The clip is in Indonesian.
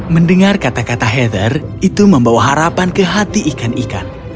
mendengar kata kata heather itu membawa harapan ke hati ikan ikan